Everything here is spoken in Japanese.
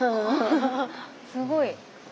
すごい。